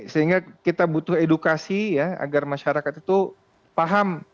sehingga kita butuh edukasi ya agar masyarakat itu paham